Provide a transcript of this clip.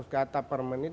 delapan ratus kata per menit